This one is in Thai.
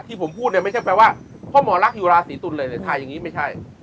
ผมพูดเนี่ยไม่ใช่แปลว่าพ่อหมอรักอยู่ราศีตุลเลยในไทยอย่างนี้ไม่ใช่